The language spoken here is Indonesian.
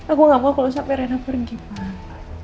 aku gak mau kalau sampai rena pergi pak